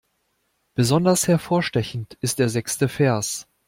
Besonders hervorstechend ist der sechste Vers.